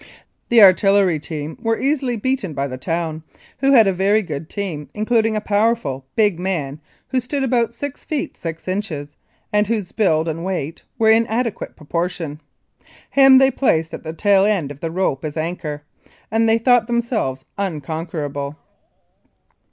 The artil lery team were easily beaten by the town, who had a very good team, including a powerful, big man who stood about six feet six inches, and whose build and weight were in adequate proportion. Him they placed at the tail end of the rope as anchor, and they thought themselves unconquerable.